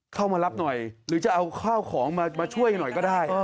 เข้ามารับหน่อยหรือจะเอาข้าวของมาช่วยหน่อยก็ได้